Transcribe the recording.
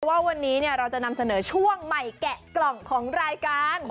ว่าวันนี้เราจะนำเสนอช่วงใหม่แกะกล่องของรายการ